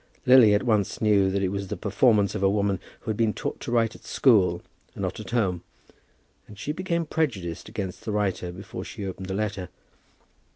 Lily at once knew that it was the performance of a woman who had been taught to write at school, and not at home, and she became prejudiced against the writer before she opened the letter.